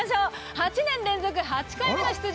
８年連続８回目の出場